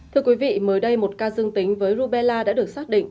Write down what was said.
thưa quý vị mới đây một ca dương tính với rubella đã được xác định